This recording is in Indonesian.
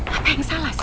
apa yang salah sih